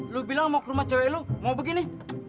lu bilang mau ke rumah cewek lo mau begini